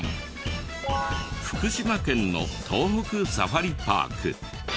福島県の東北サファリパーク。